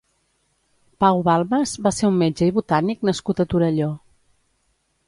Pau Balmes va ser un metge i botànic nascut a Torelló.